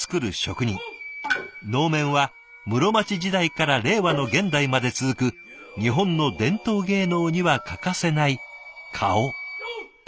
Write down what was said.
能面は室町時代から令和の現代まで続く日本の伝統芸能には欠かせない顔。